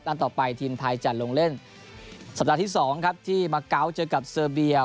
ต่อไปทีมไทยจะลงเล่นสัปดาห์ที่สองครับที่มาเกาะเจอกับเซอร์เบีย